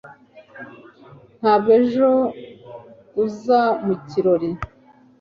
ntabwo ejo uza mu kirori